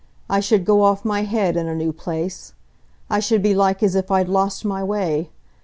I should go off my head in a new place. I should be like as if I'd lost my way.